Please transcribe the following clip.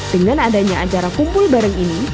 dengan adanya acara kumpul bareng ini